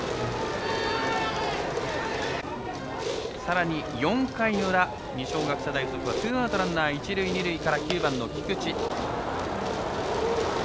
さらに４回の裏二松学舎大付属はツーアウトランナー、一塁、二塁から９番の菊池。